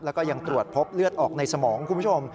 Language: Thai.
แล้วก็ยังตรวจพบเลือดออกในสมองคุณผู้ชม